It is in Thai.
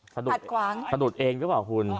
ขัดขวางขดดเองหรือเปล่าคุณ